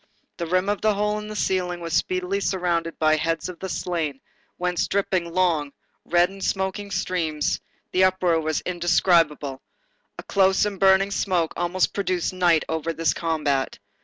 The rim of the hole in the ceiling was speedily surrounded by heads of the slain, whence dripped long, red and smoking streams, the uproar was indescribable; a close and burning smoke almost produced night over this combat.